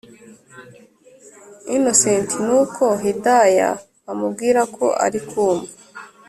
innocent nuko hidaya amubwira ko arikumva